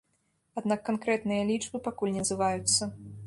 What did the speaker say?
Аднак канкрэтныя лічбы пакуль не называюцца.